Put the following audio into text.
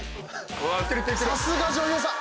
さすが女優さん。